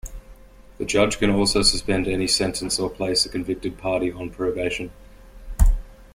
The judge can also suspend any sentence or place a convicted party on probation.